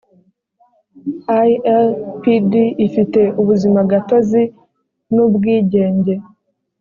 ilpd ifite ubuzimagatozi n ubwigenge